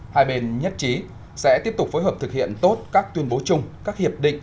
hai bên nhất trí sẽ tiếp tục phối hợp thực hiện tốt các tuyên bố chung các hiệp định